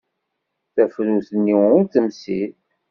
Tafrut-nni ur temsid.